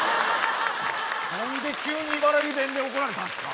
何で急に茨城弁で怒られたんすか？